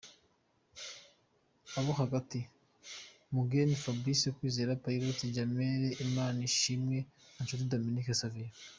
Abo hagati: Mugheni Fabrice, Kwizera Pierrot, Djabel Imanishimwe na Nshuti Dominique Savio.